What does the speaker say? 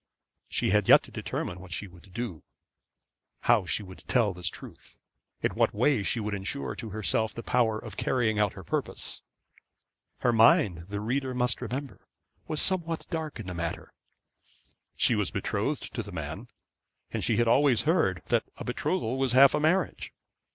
She had yet to determine what she would do; how she would tell this truth; in what way she would insure to herself the power of carrying out her purpose. Her mind, the reader must remember, was somewhat dark in the matter. She was betrothed to the man, and she had always heard that a betrothal was half a marriage.